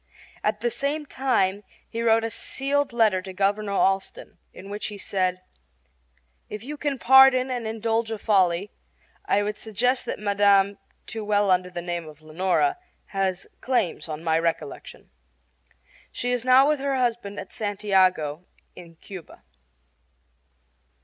At the same time he wrote a sealed letter to Governor Allston in which he said: If you can pardon and indulge a folly, I would suggest that Mme. , too well known under the name of Leonora, has claims on my recollection. She is now with her husband at Santiago, in Cuba.